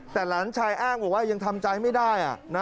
แต่หลานชายอ้างบอกว่ายังทำใจไม่ได้